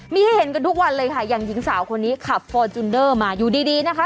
มีให้เห็นกันทุกวันเลยค่ะอย่างหญิงสาวคนนี้ขับฟอร์จูนเดอร์มาอยู่ดีดีนะคะ